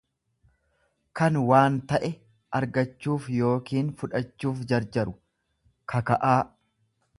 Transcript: kan waan ta'e argachuuf yookiin fudhachuuf jarjaru, kaka'aa.